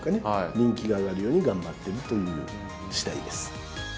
人気が上がるように頑張ってるという次第です。